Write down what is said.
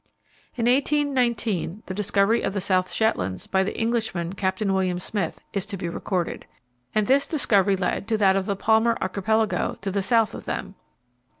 In 1819 the discovery of the South Shetlands by the Englishman, Captain William Smith, is to be recorded. And this discovery led to that of the Palmer Archipelago to the south of them.